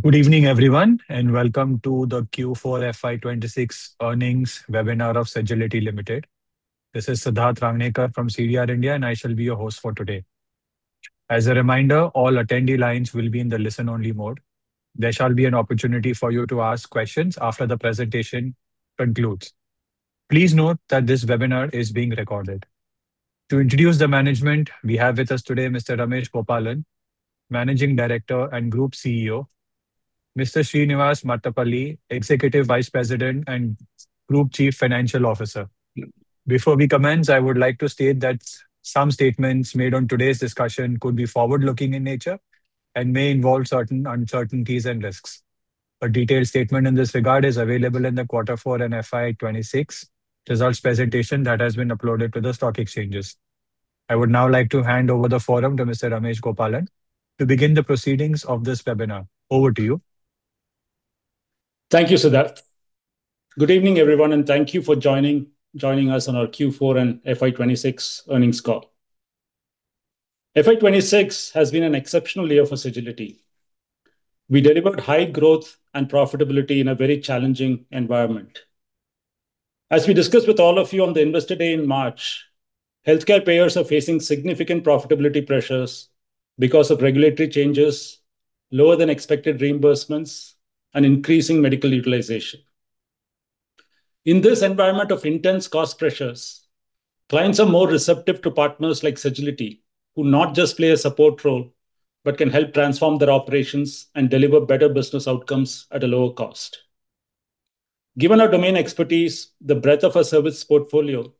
Good evening, everyone, welcome to the Q4 FY 2026 earnings webinar of Sagility Limited. This is Siddharth Rangnekar from CDR India, I shall be your host for today. As a reminder, all attendee lines will be in the listen-only mode. There shall be an opportunity for you to ask questions after the presentation concludes. Please note that this webinar is being recorded. To introduce the management we have with us today Mr. Ramesh Gopalan, Managing Director and Group CEO; Mr. Srinivas Mattapalli, Executive Vice President and Group Chief Financial Officer. Before we commence, I would like to state that some statements made on today's discussion could be forward-looking in nature and may involve certain uncertainties and risks. A detailed statement in this regard is available in the Quarter Four FY 2026 results presentation that has been uploaded to the stock exchanges. I would now like to hand over the forum to Mr. Ramesh Gopalan to begin the proceedings of this webinar. Over to you. Thank you, Siddharth. Good evening, everyone, Thank you for joining us on our Q4 and FY 2026 earnings call. FY 2026 has been an exceptional year for Sagility. We delivered high growth and profitability in a very challenging environment. As we discussed with all of you on the Investor Day in March, healthcare payers are facing significant profitability pressures because of regulatory changes, lower than expected reimbursements, increasing medical utilization. In this environment of intense cost pressures, clients are more receptive to partners like Sagility, who not just play a support role, but can help transform their operations and deliver better business outcomes at a lower cost. Given our domain expertise, the breadth of our service portfolio,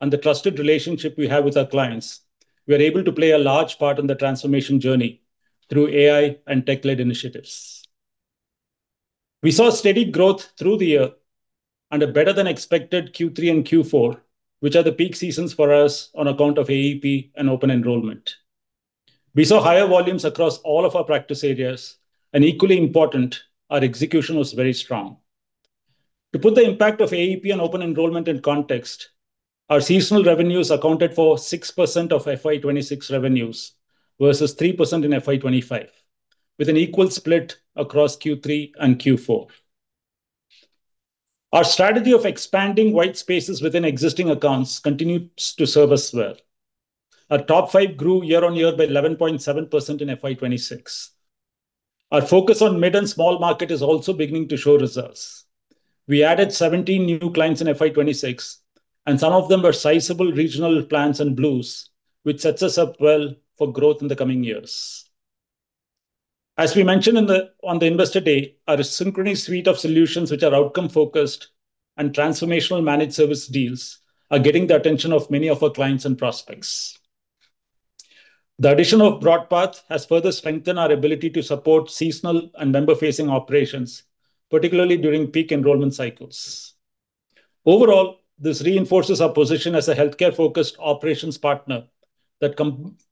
the trusted relationship we have with our clients, we are able to play a large part in the transformation journey through AI and tech-led initiatives. We saw steady growth through the year and a better than expected Q3 and Q4, which are the peak seasons for us on account of AEP and open enrollment. We saw higher volumes across all of our practice areas. Equally important, our execution was very strong. To put the impact of AEP and open enrollment in context, our seasonal revenues accounted for 6% of FY 2026 revenues versus 3% in FY 2025, with an equal split across Q3 and Q4. Our strategy of expanding white spaces within existing accounts continues to serve us well. Our top 5 grew year-over-year by 11.7% in FY 2026. Our focus on mid and small market is also beginning to show results. We added 17 new clients in FY 2026, some of them are sizable regional plans and Blues, which sets us up well for growth in the coming years. As we mentioned on the Investor Day, our Sagility Synchrony suite of solutions which are outcome-focused and transformational managed service deals are getting the attention of many of our clients and prospects. The addition of BroadPath has further strengthened our ability to support seasonal and member-facing operations, particularly during peak enrollment cycles. Overall, this reinforces our position as a healthcare-focused operations partner that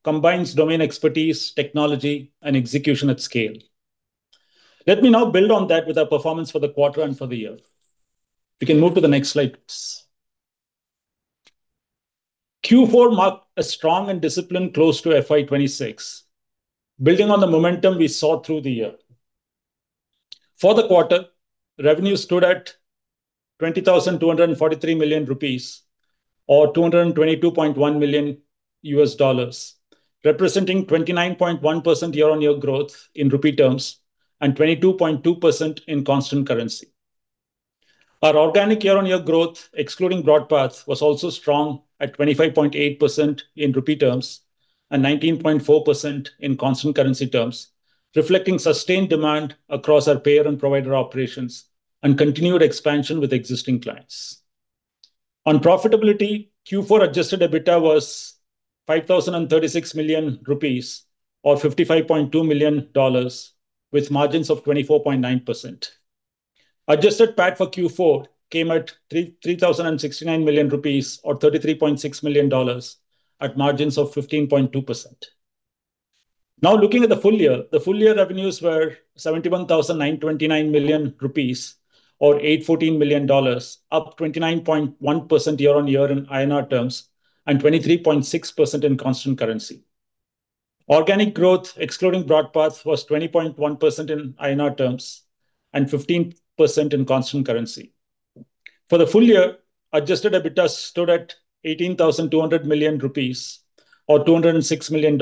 combines domain expertise, technology, and execution at scale. Let me now build on that with our performance for the quarter and for the year. We can move to the next slides. Q4 marked a strong and disciplined close to FY 2026, building on the momentum we saw through the year. For the quarter, revenue stood at 20,243 million rupees, or $222.1 million, representing 29.1% year-on-year growth in rupee terms and 22.2% in constant currency. Our organic year-on-year growth, excluding BroadPath, was also strong at 25.8% in rupee terms and 19.4% in constant currency terms, reflecting sustained demand across our payer and provider operations and continued expansion with existing clients. On profitability, Q4 adjusted EBITDA was 5,036 million rupees, or $55.2 million with margins of 24.9%. Adjusted PAT for Q4 came at 3,069 million rupees, or $33.6 million at margins of 15.2%. Looking at the full year. The full year revenues were 71,929 million rupees, or $814 million, up 29.1% year-over-year in INR terms, and 23.6% in constant currency. Organic growth, excluding BroadPath, was 20.1% in INR terms and 15% in constant currency. For the full year, adjusted EBITDA stood at 18,200 million rupees or $206 million,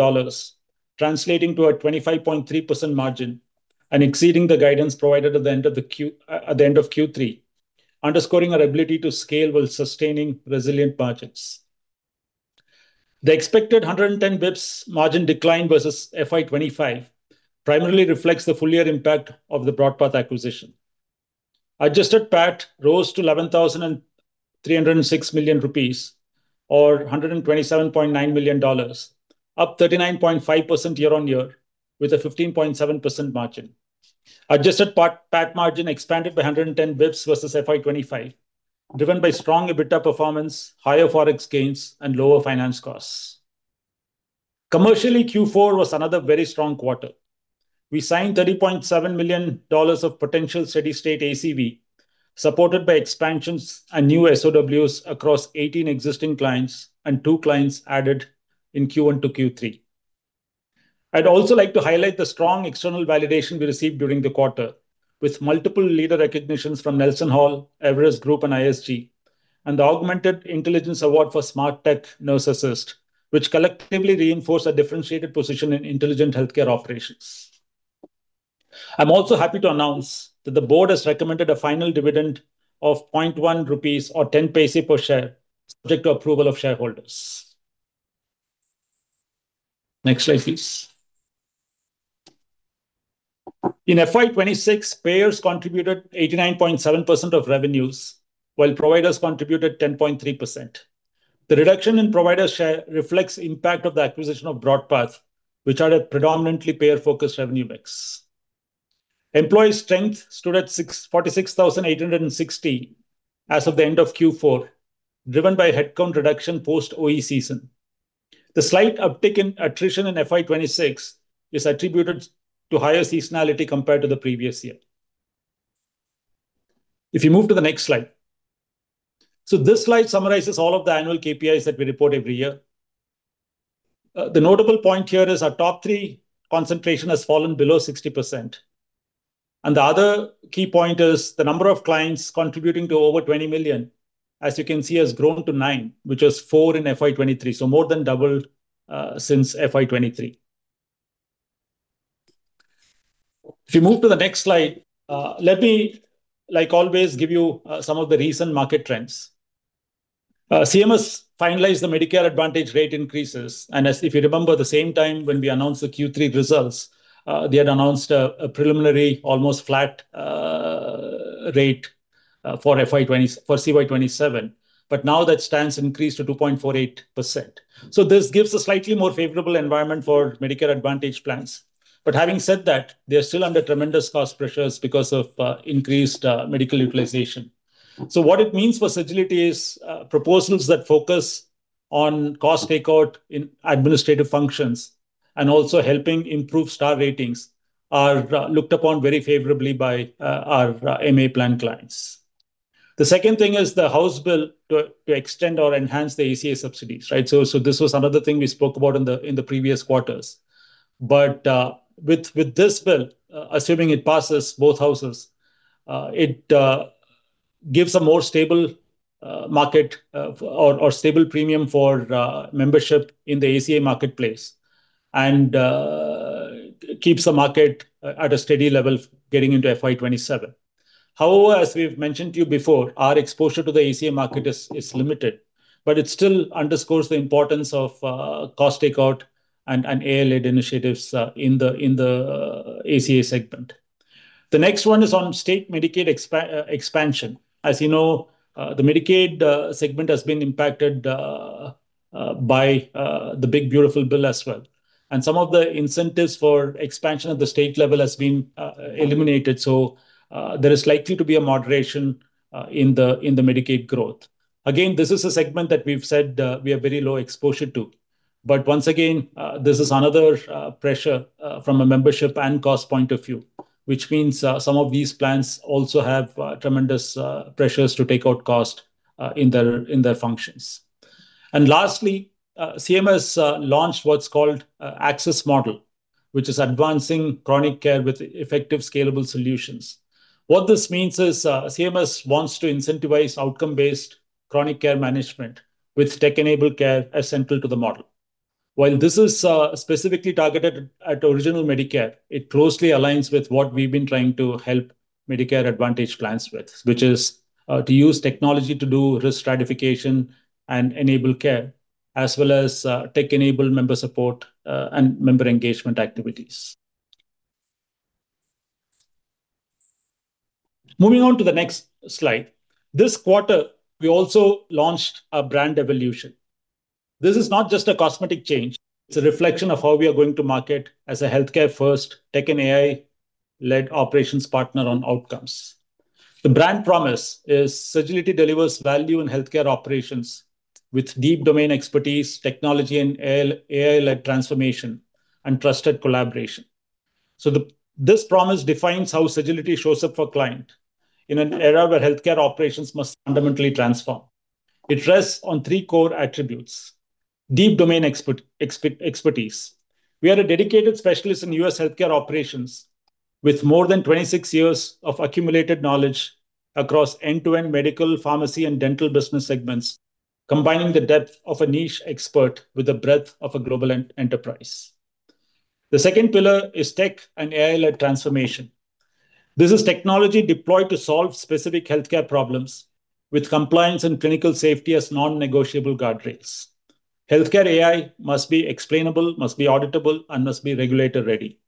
translating to a 25.3% margin and exceeding the guidance provided at the end of Q3, underscoring our ability to scale while sustaining resilient margins. The expected 110 basis points margin decline versus FY 2025 primarily reflects the full year impact of the BroadPath acquisition. Adjusted PAT rose to 11,306 million rupees, or $127.9 million, up 39.5% year-on-year with a 15.7% margin. Adjusted PAT margin expanded by 110 basis points versus FY 2025, driven by strong EBITDA performance, higher Forex gains, and lower finance costs. Commercially, Q4 was another very strong quarter. We signed $30.7 million of potential steady state ACV supported by expansions and new SOWs across 18 existing clients and 2 clients added in Q1 to Q3. I'd also like to highlight the strong external validation we received during the quarter, with multiple leader recognitions from NelsonHall, Everest Group, and ISG, and the Augmented Intelligence Award for SmartTech Nurse Assist, which collectively reinforce a differentiated position in intelligent healthcare operations. I'm also happy to announce that the board has recommended a final dividend of 0.1 rupees or 0.10 per share, subject to approval of shareholders. Next slide, please. In FY 2026, payers contributed 89.7% of revenues, while providers contributed 10.3%. The reduction in provider share reflects impact of the acquisition of BroadPath, which had a predominantly payer-focused revenue mix. Employee strength stood at 46,860 as of the end of Q4, driven by headcount reduction post-OE season. The slight uptick in attrition in FY 2026 is attributed to higher seasonality compared to the previous year. If you move to the next slide. This slide summarizes all of the annual KPIs that we report every year. The notable point here is our top three concentration has fallen below 60%. The other key point is the number of clients contributing to over 20 million, as you can see, has grown to 9, which was 4 in FY 2023, more than doubled since FY 2023. If you move to the next slide, let me, like always, give you some of the recent market trends. CMS finalized the Medicare Advantage rate increases. As if you remember, the same time when we announced the Q3 results, they had announced a preliminary almost flat rate for CY 2027. Now that stands increased to 2.48%. This gives a slightly more favorable environment for Medicare Advantage plans. Having said that, they are still under tremendous cost pressures because of increased medical utilization. What it means for Sagility is proposals that focus on cost takeout in administrative functions and also helping improve star ratings are looked upon very favorably by our MA plan clients. The second thing is the House bill to extend or enhance the ACA subsidies. With this bill, assuming it passes both Houses, it gives a more stable market or stable premium for membership in the ACA marketplace and keeps the market at a steady level getting into FY 2027. However, as we've mentioned to you before, our exposure to the ACA market is limited, but it still underscores the importance of cost takeout and AI-led initiatives in the ACA segment. The next one is on State Medicaid expansion. As you know, the Medicaid segment has been impacted by the big beautiful bill as well. Some of the incentives for expansion at the state level has been eliminated. There is likely to be a moderation in the Medicaid growth. Again, this is a segment that we've said, we have very low exposure to. Once again, this is another pressure from a membership and cost point of view, which means some of these plans also have tremendous pressures to take out cost in their functions. Lastly, CMS launched what's called ACCESS Model, which is advancing chronic care with effective, scalable solutions. What this means is, CMS wants to incentivize outcome-based chronic care management with tech-enabled care as central to the model. While this is specifically targeted at Original Medicare, it closely aligns with what we've been trying to help Medicare Advantage plans with, which is to use technology to do risk stratification and enable care, as well as, tech-enabled member support, and member engagement activities. Moving on to the next slide. This quarter, we also launched a brand evolution. This is not just a cosmetic change. It's a reflection of how we are going to market as a healthcare-first tech and AI-led operations partner on outcomes. The brand promise is Sagility delivers value in healthcare operations with deep domain expertise, technology and AI-led transformation, and trusted collaboration. This promise defines how Sagility shows up for client in an era where healthcare operations must fundamentally transform. It rests on three core attributes. Deep domain expertise. We are a dedicated specialist in U.S. healthcare operations with more than 26 years of accumulated knowledge across end-to-end medical, pharmacy, and dental business segments, combining the depth of a niche expert with the breadth of a global enterprise. The second pillar is tech and AI-led transformation. This is technology deployed to solve specific healthcare problems with compliance and clinical safety as non-negotiable guardrails. Healthcare AI must be explainable, must be auditable, and must be regulator-ready.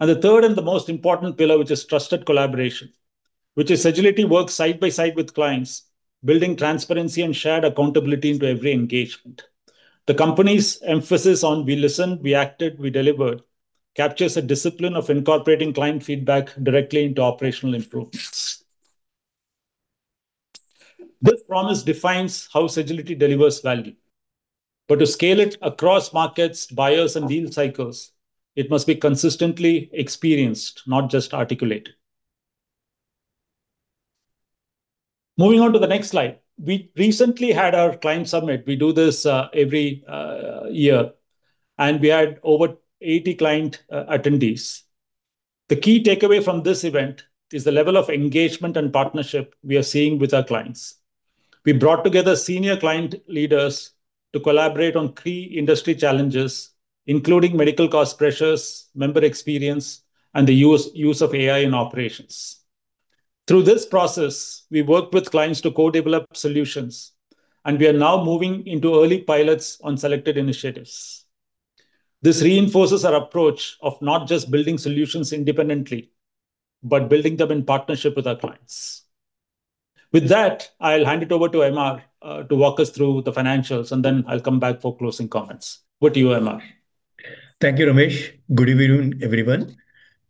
The third and the most important pillar, which is trusted collaboration, which is Sagility works side by side with clients, building transparency and shared accountability into every engagement. The company's emphasis on we listen, we acted, we delivered captures a discipline of incorporating client feedback directly into operational improvements. This promise defines how Sagility delivers value. To scale it across markets, buyers, and deal cycles, it must be consistently experienced, not just articulated. Moving on to the next slide. We recently had our client summit. We do this every year, and we had over 80 client attendees. The key takeaway from this event is the level of engagement and partnership we are seeing with our clients. We brought together senior client leaders to collaborate on three industry challenges, including medical cost pressures, member experience, and the use of AI in operations. Through this process, we worked with clients to co-develop solutions, and we are now moving into early pilots on selected initiatives. This reinforces our approach of not just building solutions independently, but building them in partnership with our clients. With that, I'll hand it over to Amar to walk us through the financials, and then I'll come back for closing comments. Over to you, Amar. Thank you, Ramesh. Good evening, everyone.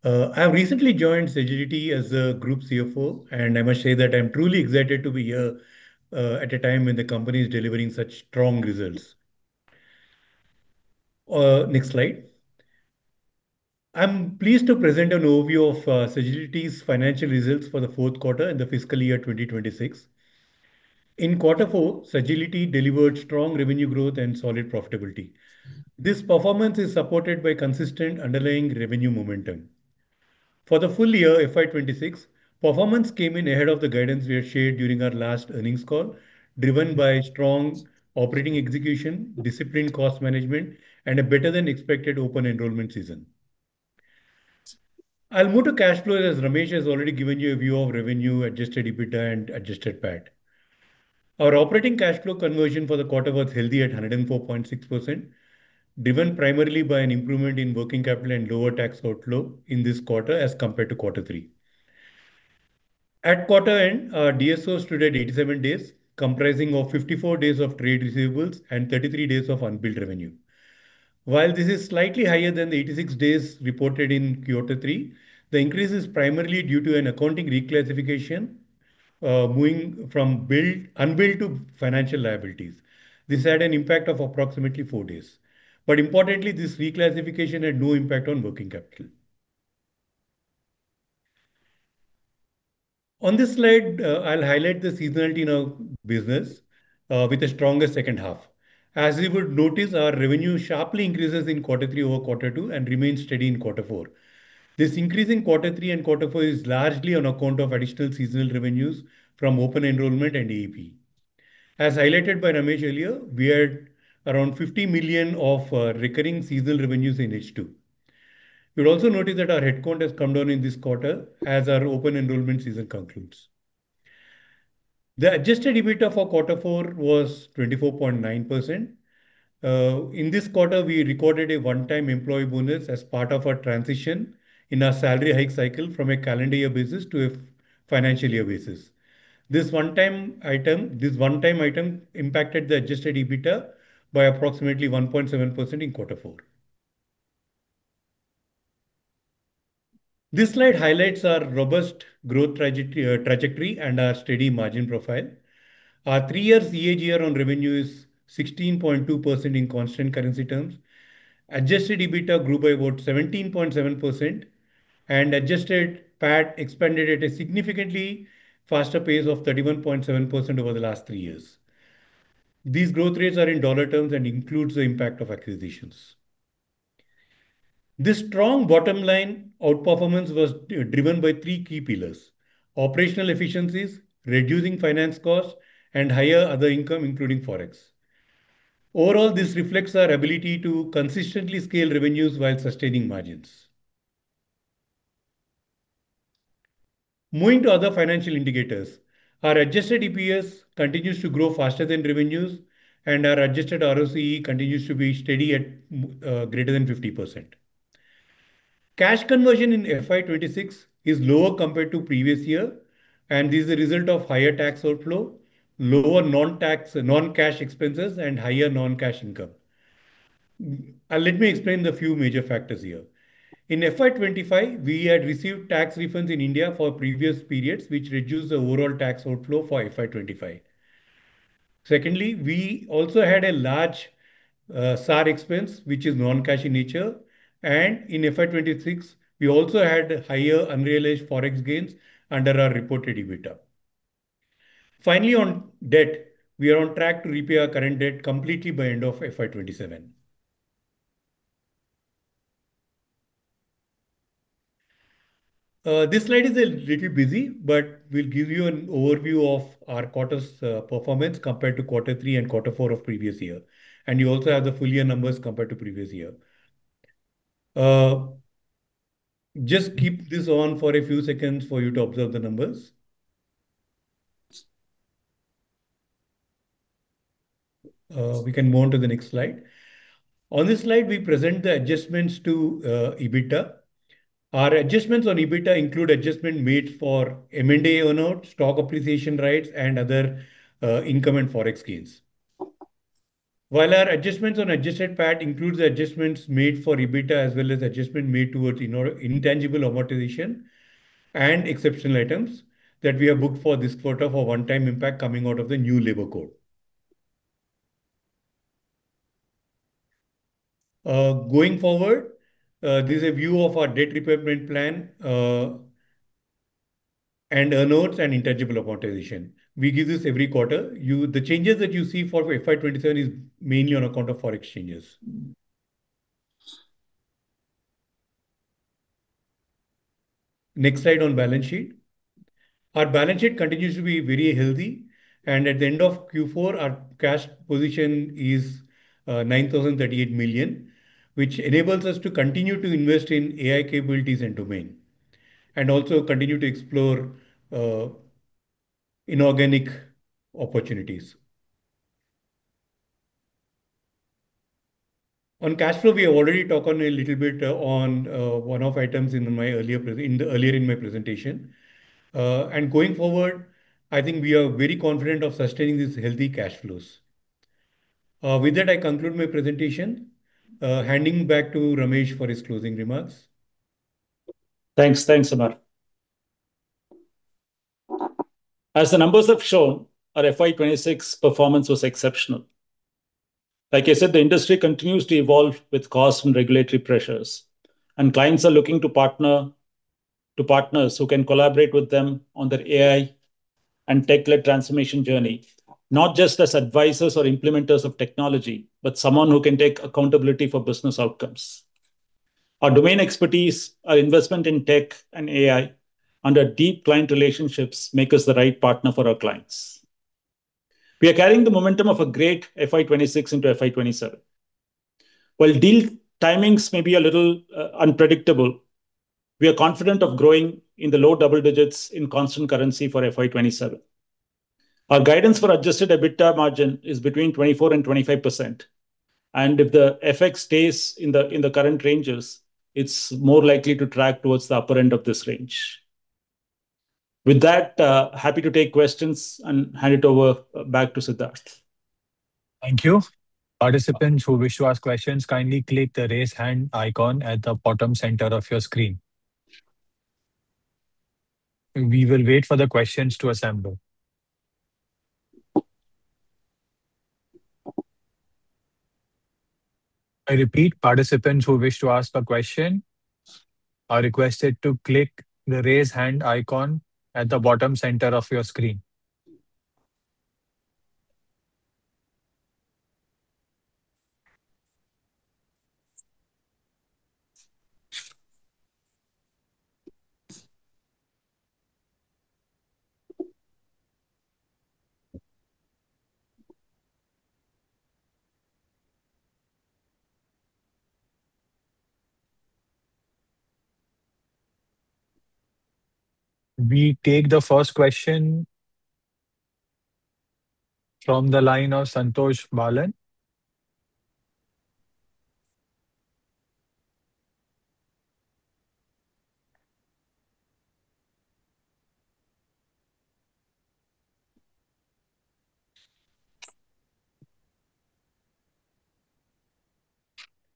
I have recently joined Sagility as a group CFO, and I must say that I'm truly excited to be here at a time when the company is delivering such strong results. Next slide. I'm pleased to present an overview of Sagility's financial results for the fourth quarter and the fiscal year 2026. In quarter four, Sagility delivered strong revenue growth and solid profitability. This performance is supported by consistent underlying revenue momentum. For the full year FY 2026, performance came in ahead of the guidance we had shared during our last earnings call, driven by strong operating execution, disciplined cost management, and a better than expected open enrollment season. I'll move to cash flow, as Ramesh has already given you a view of revenue, adjusted EBITDA, and adjusted PAT. Our operating cash flow conversion for the quarter was healthy at 104.6%, driven primarily by an improvement in working capital and lower tax outflow in this quarter as compared to Q3. At quarter-end, our DSOs stood at 87 days, comprising of 54 days of trade receivables and 33 days of unbilled revenue. While this is slightly higher than the 86 days reported in Q3, the increase is primarily due to an accounting reclassification, moving from unbilled to financial liabilities. This had an impact of approximately 4 days. Importantly, this reclassification had no impact on working capital. On this slide, I'll highlight the seasonality in our business with a stronger second half. As you would notice, our revenue sharply increases in Q3 over Q2 and remains steady in Q4. This increase in quarter 3 and quarter 4 is largely on account of additional seasonal revenues from open enrollment and AEP. As highlighted by Ramesh earlier, we had around 50 million of recurring seasonal revenues in H2. You'll also notice that our head count has come down in this quarter as our open enrollment season concludes. The adjusted EBITDA for quarter 4 was 24.9%. In this quarter, we recorded a one-time employee bonus as part of our transition in our salary hike cycle from a calendar year basis to a financial year basis. This one-time item impacted the adjusted EBITDA by approximately 1.7% in quarter 4. This slide highlights our robust growth trajectory and our steady margin profile. Our 3-year CAGR on revenue is 16.2% in constant currency terms. Adjusted EBITDA grew by about 17.7%, and adjusted PAT expanded at a significantly faster pace of 31.7% over the last 3 years. These growth rates are in dollar terms and includes the impact of acquisitions. This strong bottom line outperformance was driven by 3 key pillars: operational efficiencies, reducing finance costs, and higher other income, including Forex. This reflects our ability to consistently scale revenues while sustaining margins. Moving to other financial indicators. Our adjusted EPS continues to grow faster than revenues, and our adjusted ROCE continues to be steady at greater than 50%. Cash conversion in FY 2026 is lower compared to previous year, and this is a result of higher tax outflow, lower non-cash expenses, and higher non-cash income. Let me explain the few major factors here. In FY 2025, we had received tax refunds in India for previous periods, which reduced the overall tax outflow for FY 2025. Secondly, we also had a large SAR expense, which is non-cash in nature. In FY 2026, we also had higher unrealized Forex gains under our reported EBITDA. Finally, on debt, we are on track to repay our current debt completely by end of FY 2027. This slide is a little busy, but we'll give you an overview of our quarter's performance compared to Q3 and Q4 of previous year. You also have the full year numbers compared to previous year. Just keep this on for a few seconds for you to observe the numbers. We can move on to the next slide. On this slide, we present the adjustments to EBITDA. Our adjustments on EBITDA include adjustment made for M&A earn-out, stock appreciation rights, and other income and Forex gains. While our adjustments on adjusted PAT includes the adjustments made for EBITDA, as well as adjustment made towards intangible amortization and exceptional items that we have booked for this quarter for one-time impact coming out of the new labor code. Going forward, this is a view of our debt repayment plan and earnouts and intangible amortization. We give this every quarter. The changes that you see for FY 2027 is mainly on account of foreign exchanges. Next slide on balance sheet. Our balance sheet continues to be very healthy, and at the end of Q4, our cash position is 9,038 million, which enables us to continue to invest in AI capabilities and domain. Also continue to explore inorganic opportunities. On cash flow, we have already talked on a little bit on one-off items in my earlier presentation. Going forward, I think we are very confident of sustaining these healthy cash flows. With that, I conclude my presentation. Handing back to Ramesh for his closing remarks. Thanks. Thanks, Srinivas Mattapalli. As the numbers have shown, our FY 2026 performance was exceptional. Like I said, the industry continues to evolve with costs and regulatory pressures, and clients are looking to partners who can collaborate with them on their AI and tech-led transformation journey, not just as advisors or implementers of technology, but someone who can take accountability for business outcomes. Our domain expertise, our investment in tech and AI, and our deep client relationships make us the right partner for our clients. We are carrying the momentum of a great FY 2026 into FY 2027. While deal timings may be a little unpredictable, we are confident of growing in the low double digits in constant currency for FY 2027. Our guidance for adjusted EBITDA margin is between 24% and 25%. If the FX stays in the current ranges, it's more likely to track towards the upper end of this range. With that, happy to take questions and hand it over back to Siddharth. Thank you. Participants who wish to ask questions, kindly click the Raise Hand icon at the bottom center of your screen. We will wait for the questions to assemble. I repeat, participants who wish to ask a question are requested to click the Raise Hand icon at the bottom center of your screen. We take the first question from the line of Santhosh Balan.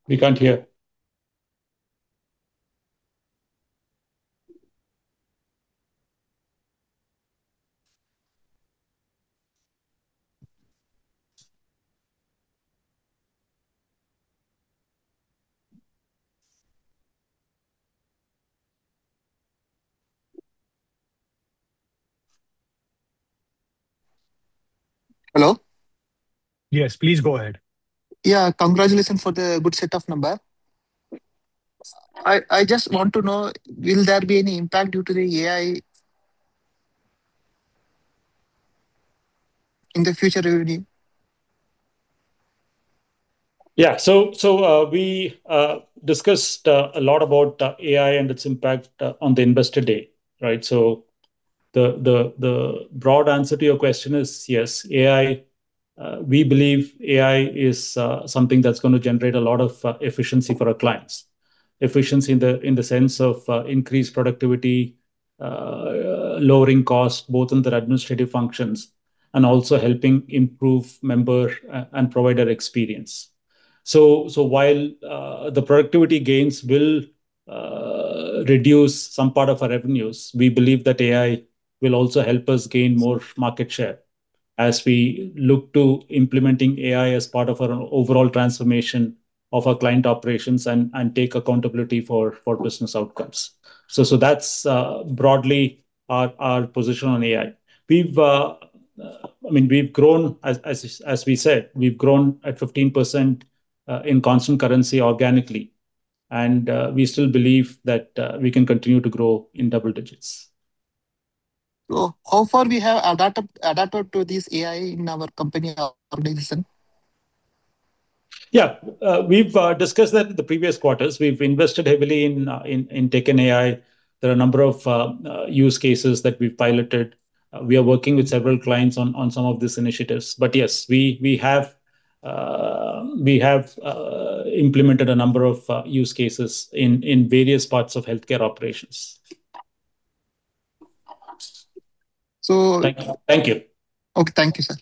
We can't hear. Hello? Yes. Please go ahead. Yeah. Congratulations for the good set of number. I just want to know, will there be any impact due to the AI in the future revenue? We discussed a lot about AI and its impact on the Investor Day, right? The broad answer to your question is yes. AI, we believe AI is something that's gonna generate a lot of efficiency for our clients. Efficiency in the sense of increased productivity, lowering costs both on their administrative functions, and also helping improve member and provider experience. While the productivity gains will reduce some part of our revenues, we believe that AI will also help us gain more market share as we look to implementing AI as part of our overall transformation of our client operations and take accountability for business outcomes. That's broadly our position on AI. I mean, we've grown as we said, at 15% in constant currency organically. We still believe that we can continue to grow in double digits. How far we have adapted to this AI in our company organization? Yeah. We've discussed that in the previous quarters. We've invested heavily in tech and AI. There are a number of use cases that we've piloted. We are working with several clients on some of these initiatives. Yes, we have implemented a number of use cases in various parts of healthcare operations. Thank you. Thank you. Okay. Thank you, sir.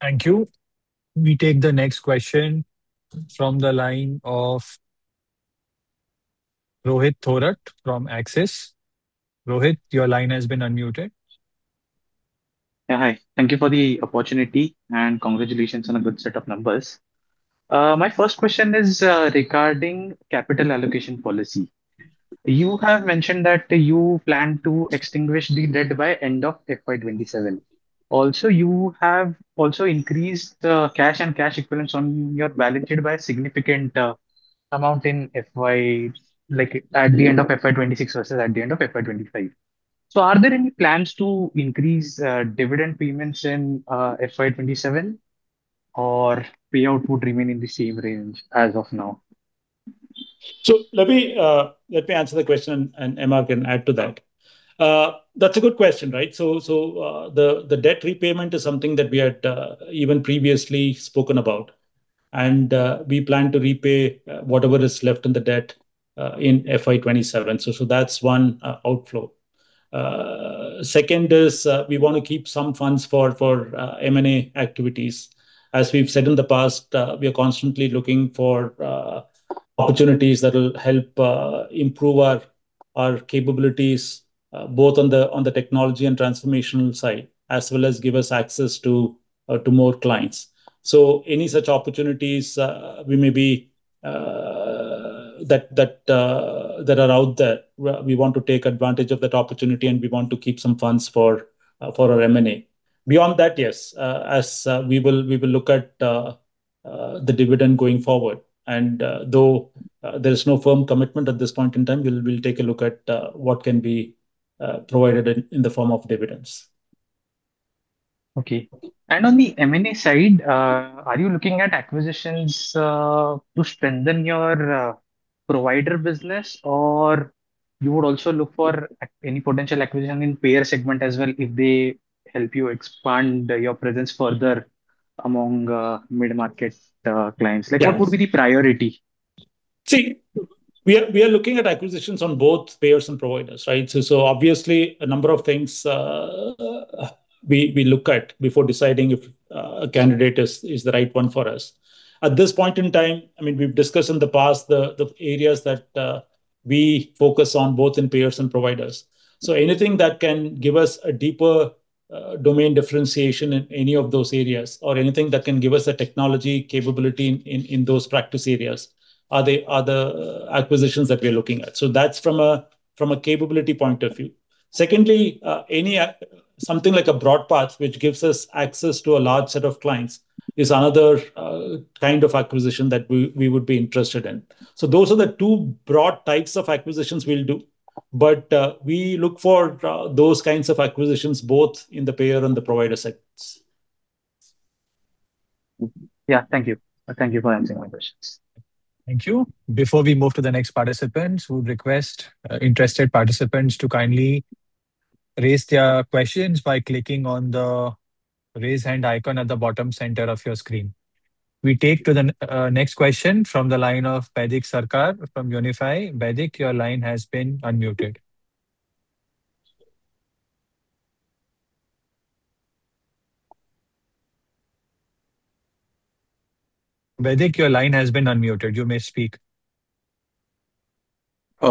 Thank you. We take the next question from the line of Rohit Thorat from Axis. Rohit, your line has been unmuted. Yeah, hi. Thank you for the opportunity, and congratulations on a good set of numbers. My first question is regarding capital allocation policy. You have mentioned that you plan to extinguish the debt by end of FY 2027. You have also increased the cash and cash equivalents on your balance sheet by a significant amount at the end of FY 2026 versus at the end of FY 2025. Are there any plans to increase dividend payments in FY 2027, or payout would remain in the same range as of now? Let me answer the question and MR can add to that. That's a good question, right? The debt repayment is something that we had even previously spoken about. We plan to repay whatever is left in the debt in FY 2027. That's one outflow. Second is, we wanna keep some funds for M&A activities. As we've said in the past, we are constantly looking for opportunities that will help improve our capabilities, both on the technology and transformational side, as well as give us access to more clients. Any such opportunities we may be that are out there, we want to take advantage of that opportunity and we want to keep some funds for our M&A. Beyond that, yes, as we will look at the dividend going forward and though there's no firm commitment at this point in time, we'll take a look at what can be provided in the form of dividends. Okay. On the M&A side, are you looking at acquisitions to strengthen your provider business? You would also look for any potential acquisition in payer segment as well if they help you expand your presence further among mid-market clients? Yes. Like, what would be the priority? We are looking at acquisitions on both payers and providers, right? Obviously a number of things we look at before deciding if a candidate is the right one for us. At this point in time, I mean, we've discussed in the past the areas that we focus on both in payers and providers. Anything that can give us a deeper domain differentiation in any of those areas or anything that can give us a technology capability in those practice areas are the acquisitions that we are looking at. That's from a capability point of view. Secondly, any something like a BroadPath which gives us access to a large set of clients is another kind of acquisition that we would be interested in. Those are the two broad types of acquisitions we'll do. We look for those kinds of acquisitions both in the payer and the provider sets. Yeah. Thank you. Thank you for answering my questions. Thank you. Before we move to the next participant, we would request interested participants to kindly raise their questions by clicking on the Raise Hand icon at the bottom center of your screen. We take to the next question from the line of Baidick Sarkar from Unifi. Baidick, your line has been unmuted. Baidick, your line has been unmuted. You may speak.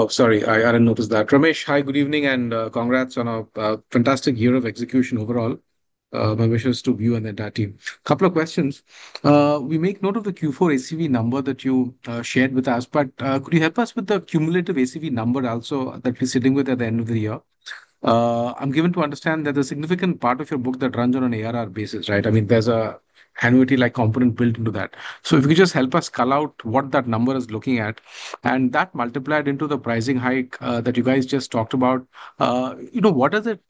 Sorry, I didn't notice that. Ramesh, hi, good evening, and congrats on a fantastic year of execution overall. My wishes to you and the entire team. Couple of questions. We make note of the Q4 ACV number that you shared with us, but could you help us with the cumulative ACV number also that you're sitting with at the end of the year? I'm given to understand that a significant part of your book that runs on an ARR basis, right? I mean, there's a annuity-like component built into that. If you could just help us cull out what that number is looking at. That multiplied into the pricing hike that you guys just talked about, you know, what does it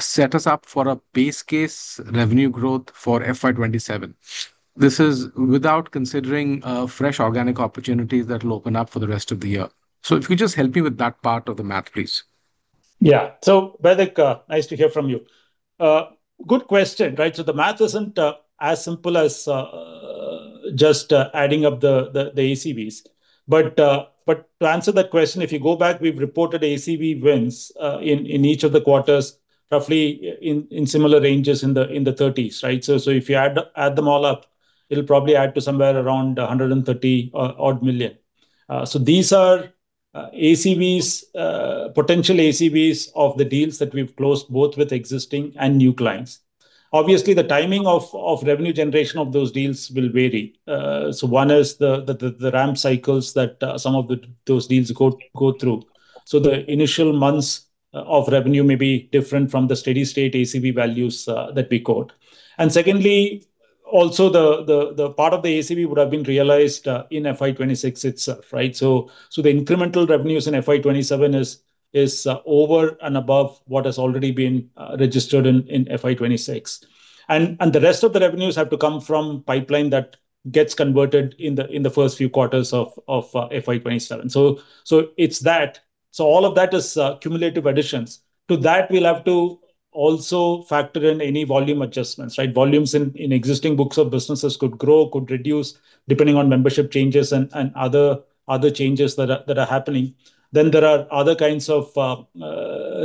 set us up for a base case revenue growth for FY 2027? This is without considering fresh organic opportunities that'll open up for the rest of the year. If you could just help me with that part of the math, please. Baidick, nice to hear from you. Good question, right. The math isn't as simple as just adding up the ACVs. But to answer that question, if you go back, we've reported ACV wins in each of the quarters, roughly in similar ranges in the 30s, right? If you add them all up, it'll probably add to somewhere around 130 million. These are ACVs, potential ACVs of the deals that we've closed, both with existing and new clients. Obviously, the timing of revenue generation of those deals will vary. One is the ramp cycles that some of those deals go through. The initial months of revenue may be different from the steady state ACV values that we quote. Secondly, also, the part of the ACV would have been realized in FY 2026 itself. The incremental revenues in FY 2027 is over and above what has already been registered in FY 2026. The rest of the revenues have to come from pipeline that gets converted in the first few quarters of FY 2027. It's that. All of that is cumulative additions. To that, also factor in any volume adjustments. Volumes in existing books of businesses could grow, could reduce depending on membership changes and other changes that are happening. There are other kinds of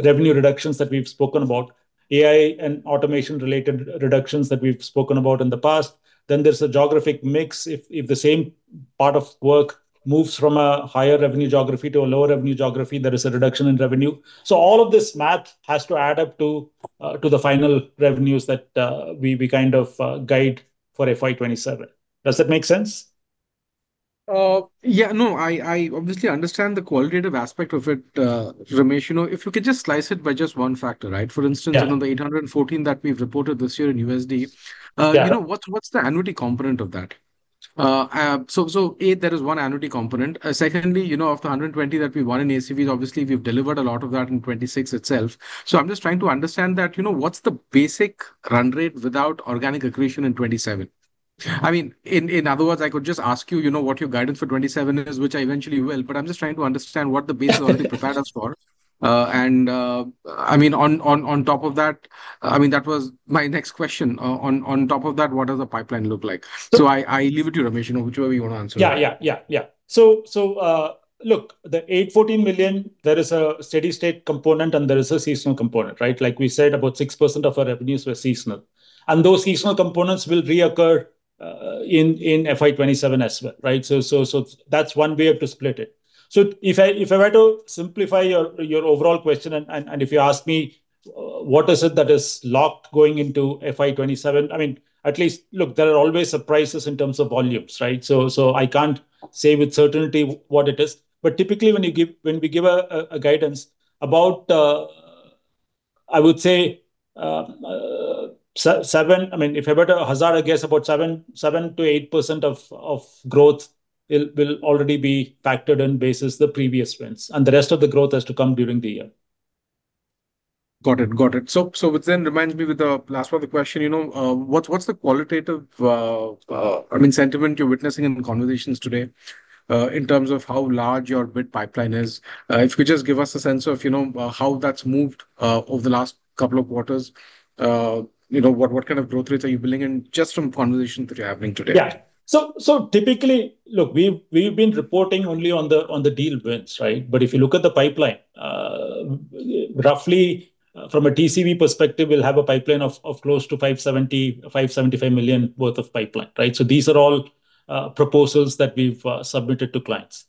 revenue reductions that we've spoken about, AI and automation related reductions that we've spoken about in the past. There's the geographic mix. If the same part of work moves from a higher revenue geography to a lower revenue geography, there is a reduction in revenue. All of this math has to add up to the final revenues that we kind of guide for FY 2027. Does that make sense? Yeah, no, I obviously understand the qualitative aspect of it, Ramesh. You know, if you could just slice it by just one factor, right? Yeah. For instance, you know, the $814 that we've reported this year in USD. Yeah. What's the annuity component of that? A, there is one annuity component. Secondly, you know, of the 120 that we won in ACVs, obviously we've delivered a lot of that in 2026 itself. I'm just trying to understand that, you know, what's the basic run rate without organic accretion in 2027? Yeah. I mean, in other words, I could just ask you know, what your guidance for 2027 is, which I eventually will, but I'm just trying to understand what the base organic prepared us for. I mean, on top of that, I mean, that was my next question. On top of that, what does the pipeline look like? I leave it to you, Ramesh, you know, whichever you wanna answer. Yeah. Look, the 814 million, there is a steady state component and there is a seasonal component, right? Like we said, about 6% of our revenues were seasonal. Those seasonal components will reoccur in FY 2027 as well, right? That's one way of to split it. If I were to simplify your overall question and if you ask me, what is it that is locked going into FY 2027, I mean, at least Look, there are always surprises in terms of volumes, right? I can't say with certainty what it is. Typically when we give a guidance about, I would say, I mean, if I were to hazard a guess, about 7%-8% of growth will already be factored in based as the previous wins. The rest of the growth has to come during the year. Got it. Which then reminds me with the last part of the question, you know, what's the qualitative, I mean, sentiment you're witnessing in conversations today in terms of how large your bid pipeline is? If you could just give us a sense of, you know, how that's moved over the last 2 quarters. You know, what kind of growth rates are you building in just from conversations that you're having today? Yeah. Typically, look, we've been reporting only on the deal wins, right? If you look at the pipeline, roughly from a TCV perspective, we'll have a pipeline of close to 570 million-575 million worth of pipeline, right? These are all proposals that we've submitted to clients.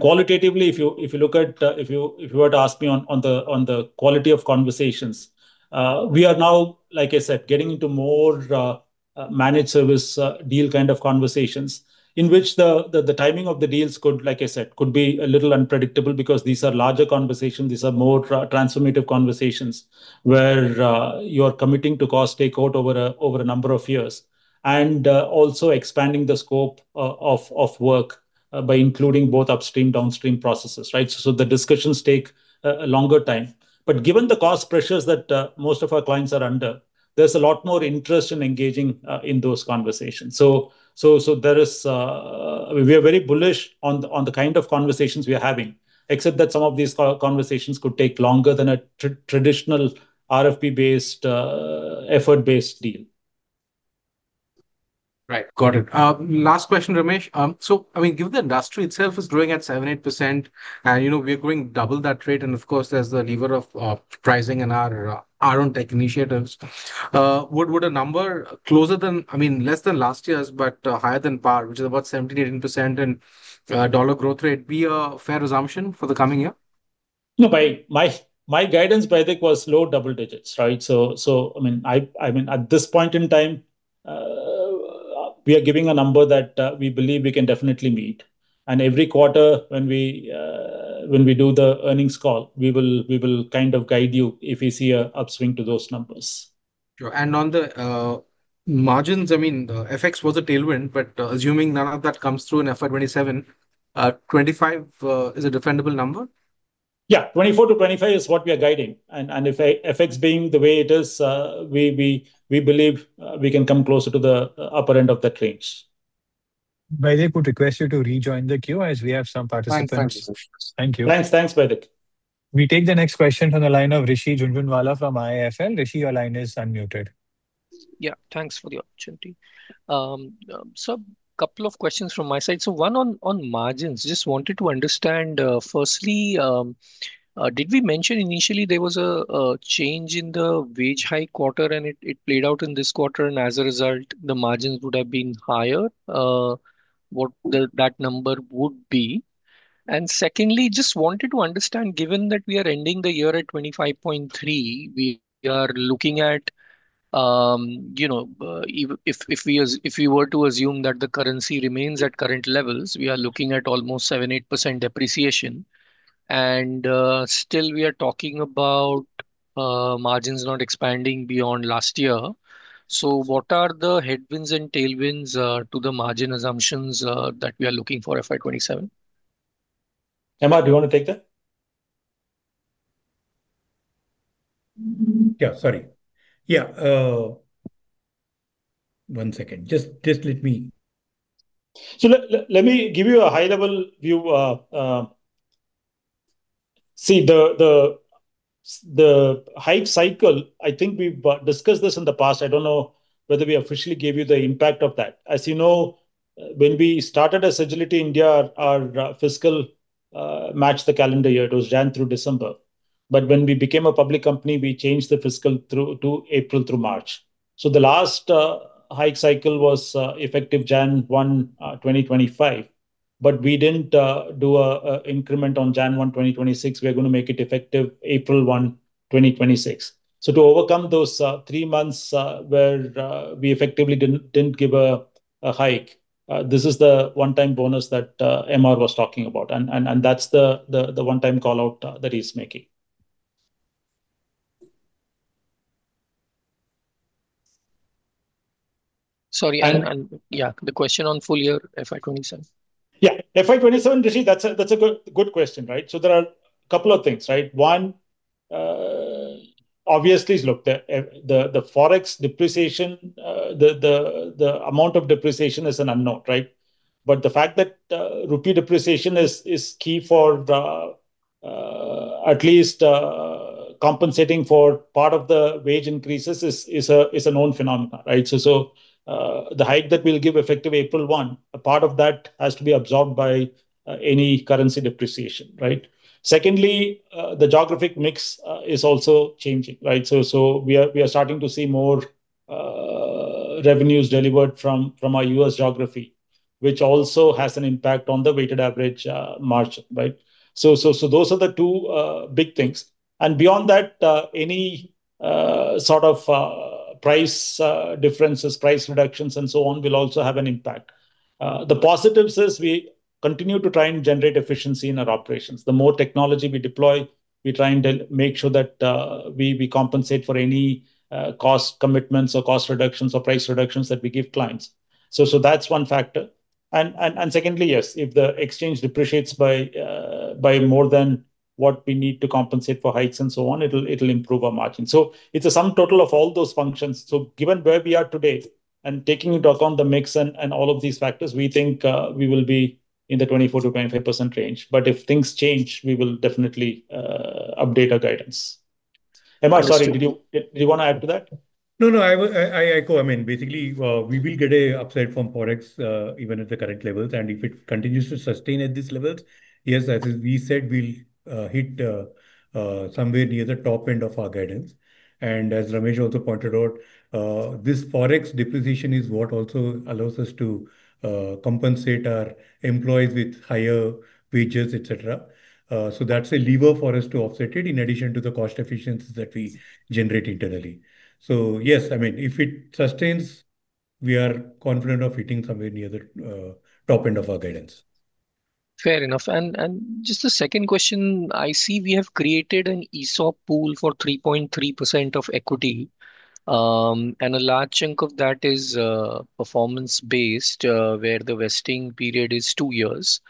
Qualitatively, if you look at, if you were to ask me on the quality of conversations, we are now, like I said, getting into more managed service deal kind of conversations in which the timing of the deals could, like I said, could be a little unpredictable because these are larger conversations. These are more transformative conversations where you are committing to cost takeout over a number of years. Also expanding the scope of work by including both upstream, downstream processes, right. The discussions take longer time. Given the cost pressures that most of our clients are under, there's a lot more interest in engaging in those conversations. We are very bullish on the kind of conversations we are having, except that some of these conversations could take longer than a traditional RFP-based effort-based deal. Right. Got it. Last question, Ramesh. I mean, given the industry itself is growing at 7%-8% and, you know, we're growing double that rate, and of course there's the lever of pricing and our own tech initiatives. Would a number closer than, less than last year's, but higher than par, which is about 17%-18% in dollar growth rate be a fair assumption for the coming year? No, my guidance, Bhavik Vachharajani, was low double digits, right? I mean, I mean, at this point in time, we are giving a number that we believe we can definitely meet. Every quarter when we do the earnings call, we will kind of guide you if we see an upswing to those numbers. Sure. On the margins, I mean, the FX was a tailwind, but assuming none of that comes through in FY 2027, 25% is a defendable number? Yeah, 24-25 is what we are guiding. If FX being the way it is, we believe we can come closer to the upper end of that range. Bhavik Vachharajani, would request you to rejoin the queue as we have some participant questions. Fine. Thanks. Thank you. Thanks. Thanks, Bhavik Vachharajani. We take the next question from the line of Rishi Jhunjhunwala from IIFL. Rishi, your line is unmuted. Yeah, thanks for the opportunity. couple of questions from my side. one on margins. Just wanted to understand, firstly, did we mention initially there was a change in the wage hike quarter and it played out in this quarter, and as a result, the margins would have been higher? What will that number would be? Secondly, just wanted to understand, given that we are ending the year at 25.3, we are looking at, you know, if we were to assume that the currency remains at current levels, we are looking at almost 7%-8% depreciation. Still we are talking about margins not expanding beyond last year. What are the headwinds and tailwinds to the margin assumptions that we are looking for FY 2027? Ramesh, do you wanna take that? Yeah, sorry. Yeah. One second. Let me give you a high-level view. The hike cycle, I think we've discussed this in the past. I don't know whether we officially gave you the impact of that. As you know, when we started as Sagility India, our fiscal matched the calendar year. It was Jan through December. When we became a public company, we changed the fiscal through to April through March. The last hike cycle was effective Jan 1, 2025. We didn't do a increment on Jan 1, 2026. We're gonna make it effective April 1, 2026. To overcome those 3 months, where we effectively didn't give a hike, this is the one-time bonus that MR was talking about. That's the one-time call-out that he's making. Sorry the question on full year FY 2027. Yeah. FY 2027, Rishi, that's a good question, right? There are a couple of things, right? One, obviously is, the Forex depreciation, the amount of depreciation is an unknown, right? The fact that rupee depreciation is key for at least compensating for part of the wage increases is a known phenomenon, right? The hike that we'll give effective April 1, a part of that has to be absorbed by any currency depreciation, right? Secondly, the geographic mix is also changing, right? We are starting to see more revenues delivered from our U.S. geography, which also has an impact on the weighted average margin, right? Those are the two big things. Beyond that, any sort of price differences, price reductions and so on will also have an impact. The positives is we continue to try and generate efficiency in our operations. The more technology we deploy, we try and make sure that we compensate for any cost commitments or cost reductions or price reductions that we give clients. That's one factor. Secondly, yes, if the exchange depreciates by more than what we need to compensate for hikes and so on, it'll improve our margin. It's a sum total of all those functions. Given where we are today and taking into account the mix and all of these factors, we think we will be in the 24%-25% range. If things change, we will definitely update our guidance. Did you wanna add to that? No, I echo. I mean, basically, we will get an upside from products, even at the current levels. If it continues to sustain at these levels, yes, as we said, we'll hit somewhere near the top end of our guidance. As Ramesh also pointed out, this Forex depreciation is what also allows us to compensate our employees with higher wages, et cetera. That's a lever for us to offset it in addition to the cost efficiencies that we generate internally. Yes, I mean, if it sustains, we are confident of hitting somewhere near the top end of our guidance. Fair enough. Just a second question. I see we have created an ESOP pool for 3.3% of equity. A large chunk of that is performance-based, where the vesting period is 2 years.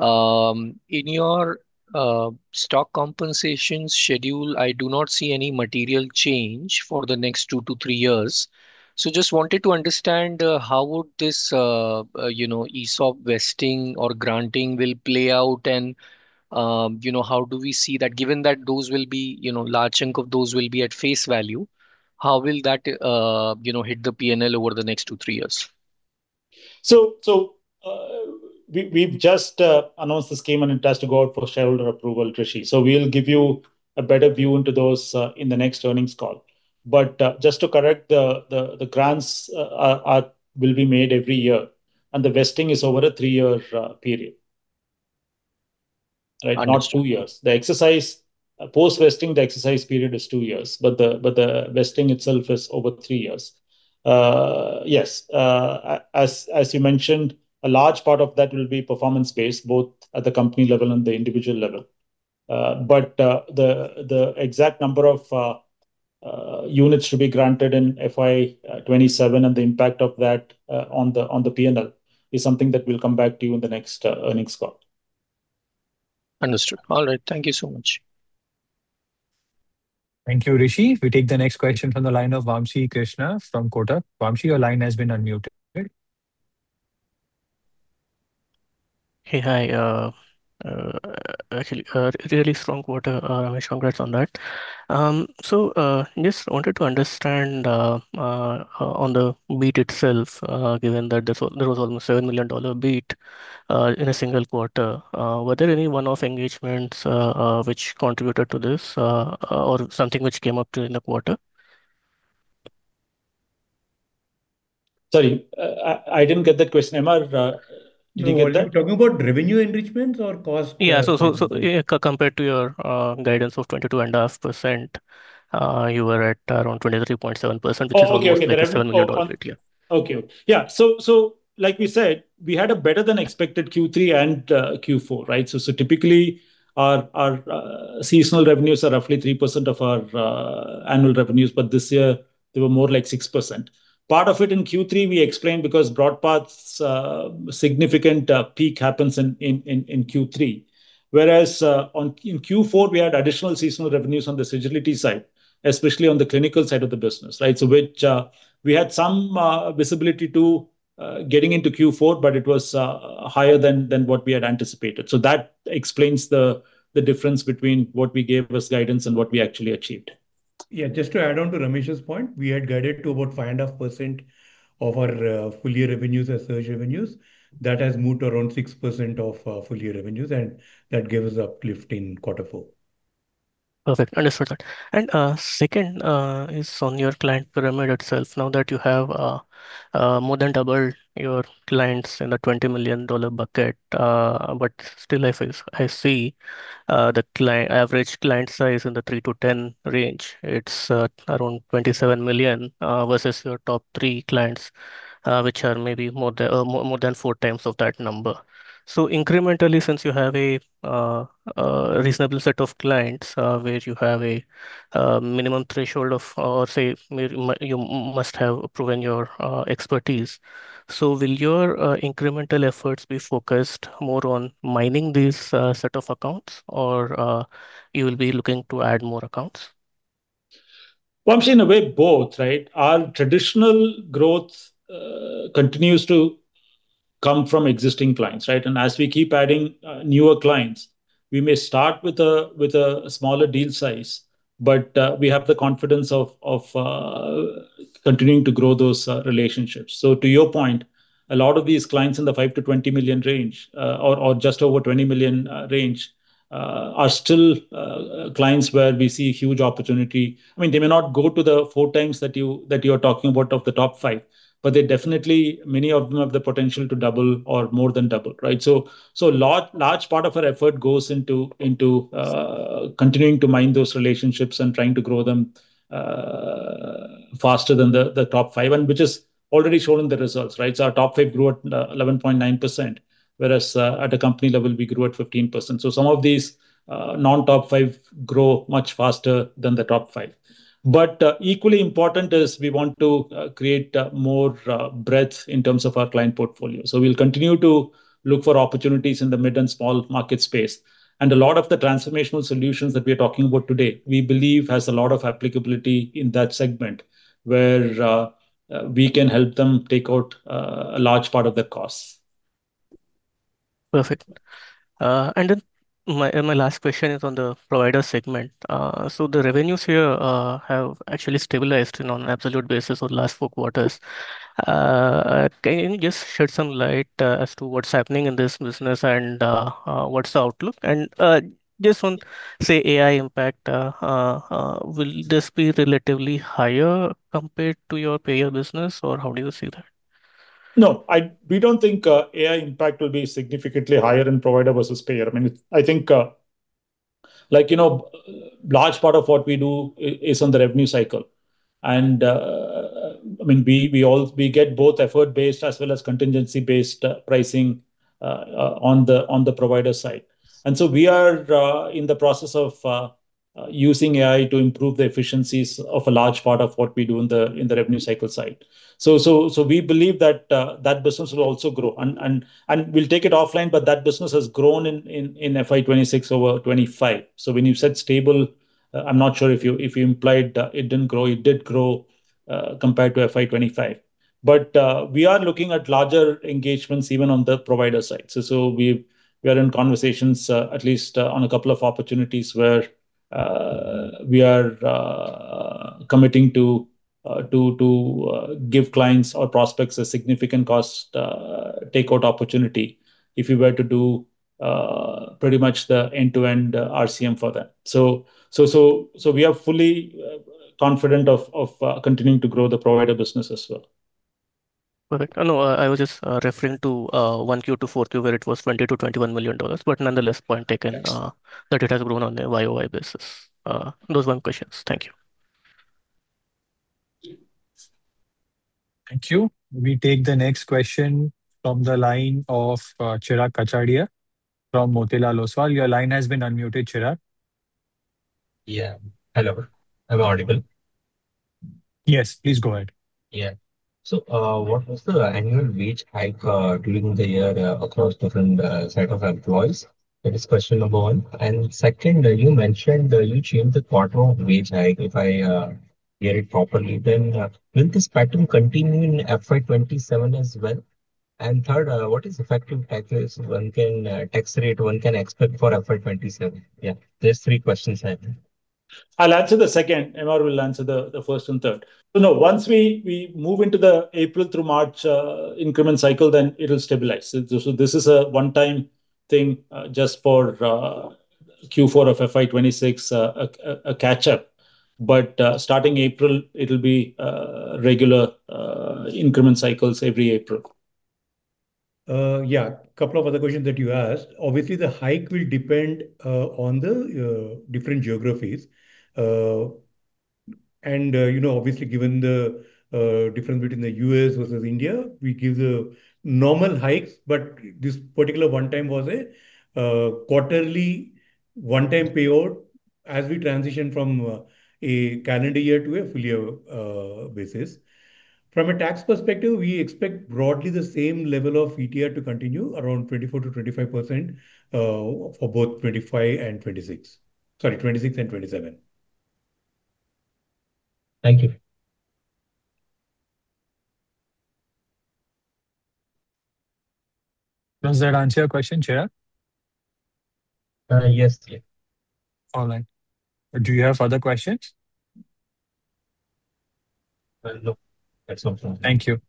In your stock compensation schedule, I do not see any material change for the next 2 to 3 years. Just wanted to understand how would this, you know, ESOP vesting or granting will play out and, you know, how do we see that? Given that those will be, you know, large chunk of those will be at face value, how will that, you know, hit the P&L over the next 2, 3 years? We've just announced the scheme and it has to go out for shareholder approval, Rishi. We'll give you a better view into those in the next earnings call. Just to correct, the grants will be made every year, and the vesting is over a three-year period. Not 2 years. Post-vesting, the exercise period is 2 years, but the vesting itself is over 3 years. Yes, as you mentioned, a large part of that will be performance-based, both at the company level and the individual level. The exact number of units to be granted in FY 2027 and the impact of that on the P&L is something that we'll come back to you in the next earnings call. Understood. All right. Thank you so much. Thank you, Rishi. We take the next question from the line of Vamshi Krishna from Kotak. Vamshi, your line has been unmuted. Hey. Hi. actually, a really strong quarter, Ramesh. Congrats on that. just wanted to understand on the beat itself, given that there was almost a $7 million beat in a single quarter. Were there any one-off engagements which contributed to this or something which came up during the quarter? Sorry, I didn't get that question. Srinivas Mattapalli, did you get that? You know what? You're talking about revenue enrichments or cost- Yeah. Yeah, compared to your guidance of 22.5%, you were at around 23.7%. Oh, okay. Right. Which is almost a $7 million beat. Yeah. Okay. Yeah. Like we said, we had a better than expected Q3 and Q4, right? Typically our seasonal revenues are roughly 3% of our annual revenues, this year they were more like 6%. Part of it in Q3 we explained because BroadPath's significant peak happens in Q3. Whereas in Q4, we had additional seasonal revenues on the Sagility side, especially on the clinical side of the business, right? Which we had some visibility to getting into Q4, but it was higher than what we had anticipated. That explains the difference between what we gave as guidance and what we actually achieved. Yeah, just to add on to Ramesh's point, we had guided to about 5.5% of our full year revenues as search revenues. That has moved around 6% of full year revenues. That gave us uplift in quarter four. Perfect. Understood that. Second is on your client pyramid itself. Now that you have more than doubled your clients in the $20 million bucket, still I see the average client size in the 3 to 10 range, it's around $27 million versus your top three clients, which are maybe more than four times of that number. Incrementally, since you have a reasonable set of clients, where you have a minimum threshold of, or say maybe you must have proven your expertise. Will your incremental efforts be focused more on mining these set of accounts or you will be looking to add more accounts? Well, I would say in a way both, right? Our traditional growth continues to come from existing clients, right? As we keep adding newer clients, we may start with a smaller deal size, but we have the confidence of continuing to grow those relationships. To your point, a lot of these clients in the 5 million-20 million range, or just over 20 million range, are still clients where we see huge opportunity. They may not go to the 4 times that you're talking about of the top 5, but they definitely many of them have the potential to double or more than double, right? large part of our effort goes into continuing to mine those relationships and trying to grow them faster than the top five, and which has already shown in the results, right? Our top five grew at 11.9%, whereas at a company level we grew at 15%. Some of these non-top five grow much faster than the top five. Equally important is we want to create more breadth in terms of our client portfolio. We'll continue to look for opportunities in the mid and small market space. A lot of the transformational solutions that we're talking about today, we believe has a lot of applicability in that segment where we can help them take out a large part of their costs. Perfect. My last question is on the provider segment. The revenues here have actually stabilized in an absolute basis over the last four quarters. Can you just shed some light as to what's happening in this business and what's the outlook? Just on, say, AI impact, will this be relatively higher compared to your payer business, or how do you see that? No. We don't think AI impact will be significantly higher in provider versus payer. I mean, it I think, like, you know, large part of what we do is on the revenue cycle and, I mean, we get both effort-based as well as contingency-based pricing on the provider side. We are in the process of using AI to improve the efficiencies of a large part of what we do in the revenue cycle side. We believe that that business will also grow. We'll take it offline, but that business has grown in FY 2026 over 2025. When you said stable, I'm not sure if you implied it didn't grow. It did grow, compared to FY 2025. We are looking at larger engagements even on the provider side. We are in conversations, at least, on a couple of opportunities where we are committing to give clients or prospects a significant cost take out opportunity if we were to do pretty much the end-to-end RCM for that. We are fully confident of continuing to grow the provider business as well. Perfect. No, I was just referring to 1Q to 4Q, where it was $20 million-$21 million. Nonetheless, point taken. THat it has grown on a year-over-year basis. Those one question. Thank you. Thank you. We take the next question from the line of Chirag Kachhadiya from Motilal Oswal. Your line has been unmuted, Chirag. Yeah. Hello. Am I audible? Yes, please go ahead. What was the annual wage hike during the year across different set of employees? That is question number 1. Second, you mentioned you changed the quarter of wage hike, if I hear it properly. Will this pattern continue in FY 2027 as well? Third, what is effective tax rate one can expect for FY 2027? There's 3 questions I have. I'll answer the second. Srinivas Mattapalli will answer the first and third. No, once we move into the April through March increment cycle, then it'll stabilize. This is a one-time thing just for Q4 of FY 2026, a catch-up. Starting April, it'll be regular increment cycles every April. Yeah, couple of other questions that you asked. Obviously, the hike will depend on the different geographies. You know, obviously, given the difference between the U.S. versus India, we give the normal hikes, but this particular one time was a quarterly one-time payout as we transition from a calendar year to a full year basis. From a tax perspective, we expect broadly the same level of ETR to continue around 24%-25% for both 2026 and 2027. Thank you. Does that answer your question, Chirag? yes. Yeah. All right. Do you have further questions? No. That's all from me. Thank you.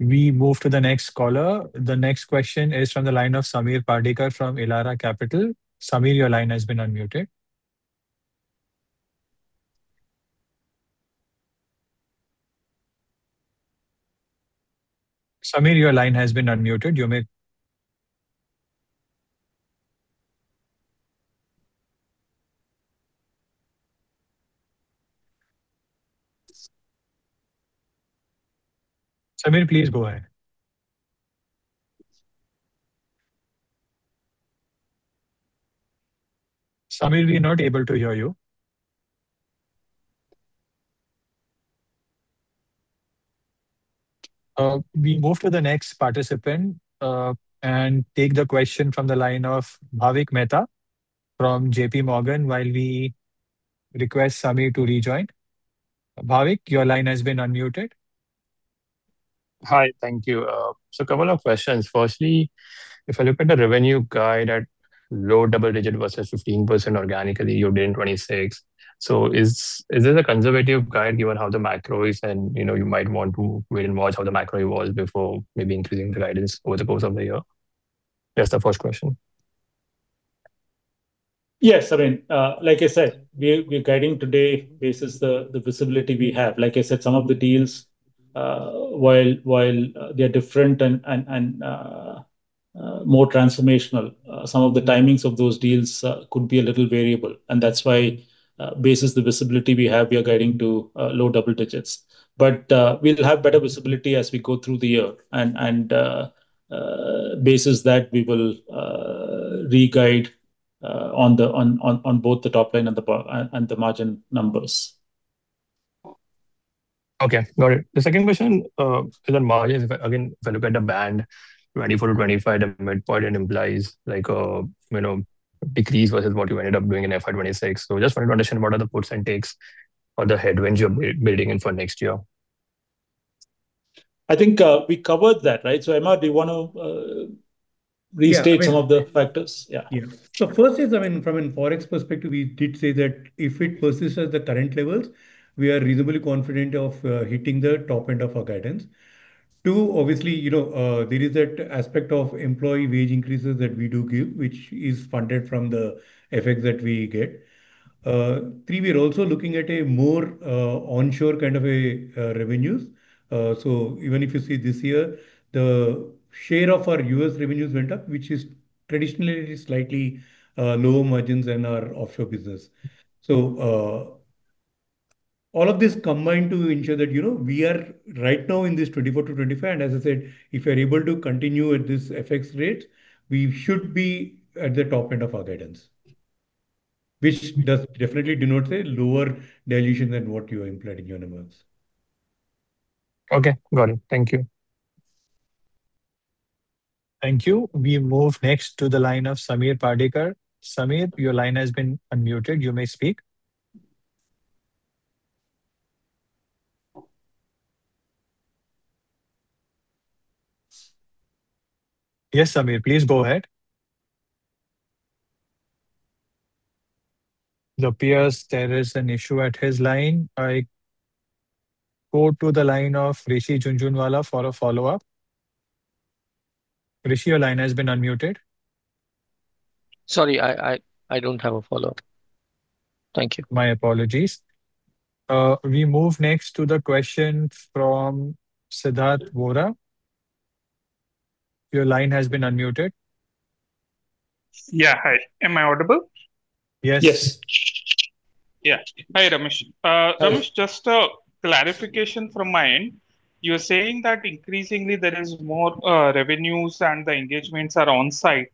We move to the next caller. The next question is from the line of Sameer Pardikar from Elara Capital. Sameer, your line has been unmuted. You may Sameer, please go ahead. Sameer, we're not able to hear you. We move to the next participant and take the question from the line of Bhavik Mehta from JP Morgan while we request Sameer to rejoin. Bhavik, your line has been unmuted. Thank you. Couple of questions. Firstly, if I look at the revenue guide at low double digit versus 15% organically, you're doing 26. Is this a conservative guide given how the macro is and, you know, you might want to wait and watch how the macro evolves before maybe increasing the guidance over the course of the year? That's the first question. Yes, I mean, like I said, we're guiding today basis the visibility we have. Like I said, some of the deals, while they're different and more transformational, some of the timings of those deals could be a little variable. That's why, basis the visibility we have, we are guiding to low double digits. We'll have better visibility as we go through the year and basis that we will re-guide on both the top end and the bottom and the margin numbers. Okay. Got it. The second question is on margins. Again, if I look at the band 24 to 25, the midpoint, it implies like a, you know, decrease versus what you ended up doing in FY 2026. Just wanted to understand what are the puts and takes or the headwinds you're building in for next year? I think, we covered that, right? Hemant, do you wanna restate some of the factors? Yeah. Yeah. First is, I mean, from a Forex perspective, we did say that if it persists at the current levels, we are reasonably confident of hitting the top end of our guidance. Two, obviously, you know, there is that aspect of employee wage increases that we do give, which is funded from the FX that we get. Three, we are also looking at a more onshore kind of revenues. Even if you see this year, the share of our U.S. revenues went up, which is traditionally slightly lower margins than our offshore business. All of this combined to ensure that, you know, we are right now in this 24%-25%. As I said, if we're able to continue at this FX rate, we should be at the top end of our guidance, which does definitely denote a lower dilution than what you implied in your numbers. Okay. Got it. Thank you. Thank you. We move next to the line of Sameer Pardikar. Sameer, your line has been unmuted. You may speak. Yes, Sameer, please go ahead. It appears there is an issue at his line. I go to the line of Rishi Jhunjhunwala for a follow-up. Rishi, your line has been unmuted. Sorry, I don't have a follow-up. Thank you. My apologies. We move next to the question from Siddharth Vora. Your line has been unmuted. Yeah. Hi. Am I audible? Yes. Yes. Yeah. Hi, Ramesh. Hi Ramesh, just a clarification from my end. You're saying that increasingly there is more revenues and the engagements are on-site.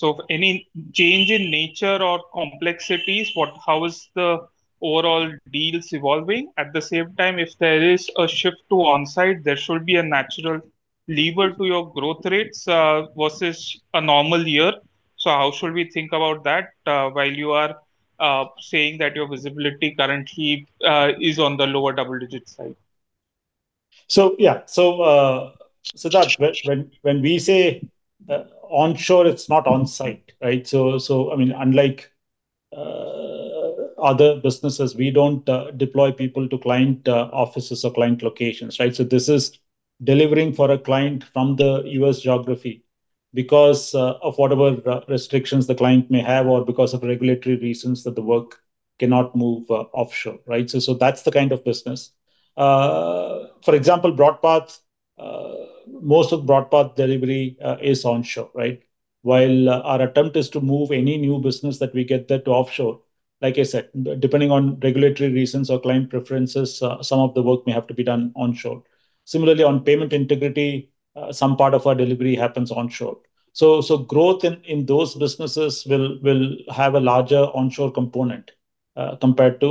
If any change in nature or complexities, what, how is the overall deals evolving? At the same time, if there is a shift to on-site, there should be a natural lever to your growth rates versus a normal year. How should we think about that while you are saying that your visibility currently is on the lower double digits side? Yeah. Siddharth, when we say onshore, it's not on-site, right? I mean, unlike other businesses, we don't deploy people to client offices or client locations, right? This is delivering for a client from the U.S. geography because of whatever re-restrictions the client may have or because of regulatory reasons that the work cannot move offshore, right? That's the kind of business. For example, BroadPath, most of BroadPath delivery is onshore, right? While our attempt is to move any new business that we get that to offshore. Like I said, depending on regulatory reasons or client preferences, some of the work may have to be done onshore. Similarly, on Payment Integrity, some part of our delivery happens onshore. Growth in those businesses will have a larger onshore component compared to